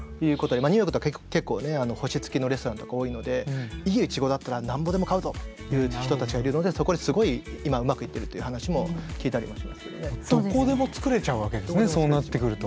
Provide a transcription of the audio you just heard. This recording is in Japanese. ニューヨークとか結構星付きのレストランとか多いのでいいイチゴだったらなんぼでも買うぞという人たちがいるのでそこですごい今うまくいってるという話も聞いたりもしますけどね。